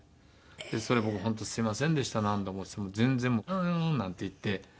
それ僕「本当すみませんでした何度も」っつっても全然もう「うんうんうん」なんて言って。